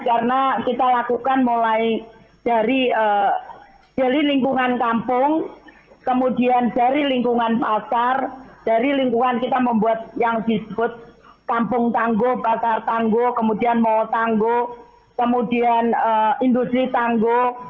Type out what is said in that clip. karena kita lakukan mulai dari lingkungan kampung kemudian dari lingkungan pasar dari lingkungan kita membuat yang disebut kampung tangguh pasar tangguh kemudian mall tangguh kemudian industri tangguh